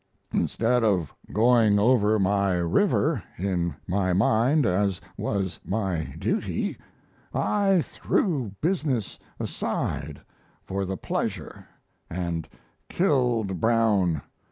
Instead of going over my river in my mind, as was my duty, I threw business aside for pleasure and killed Brown.